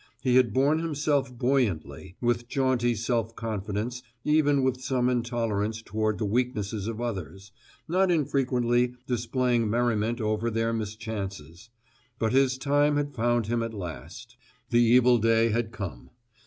He had borne himself buoyantly, with jaunty self confidence, even with some intolerance toward the weaknesses of others, not infrequently displaying merriment over their mischances; but his time had found him at last; the evil day had come.